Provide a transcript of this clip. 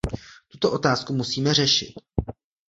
Tuto otázku musíme řešit.